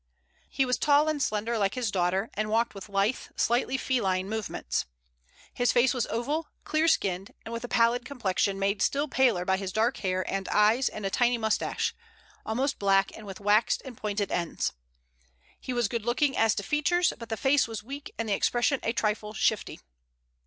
He was tall and slender like his daughter, and walked with lithe, slightly feline movements. His face was oval, clear skinned, and with a pallid complexion made still paler by his dark hair and eyes and a tiny mustache, almost black and with waxed and pointed ends. He was good looking as to features, but the face was weak and the expression a trifle shifty.